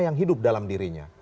yang hidup dalam dirinya